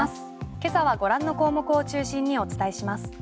今朝はご覧の項目を中心にお伝えします。